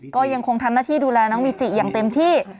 ก็ยังคงทำหน้าที่ดูแลน้องวีจิอย่างเต็มที่